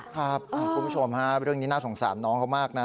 คุณผู้ชมฮะเรื่องนี้น่าสงสารน้องเขามากนะ